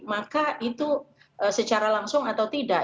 maka itu secara langsung atau tidak